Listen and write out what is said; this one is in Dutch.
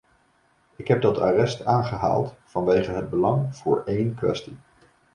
Ik heb dat arrest aangehaald vanwege het belang voor één kwestie.